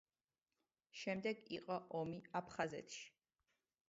შემდეგ იყო ომი აფხაზეთში.